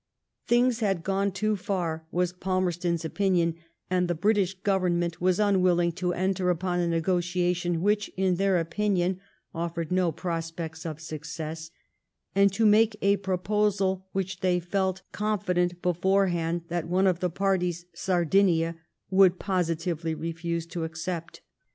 Things had gone too far, was Palmerston's opinion, and the British Government were unwilling to enter upon a negotiation which, in their opinion, offered no prospects of success ;: and to make a proposal, which they felt confident be forehand that one of the parties, Sardinia, would posi tively refuse to accept.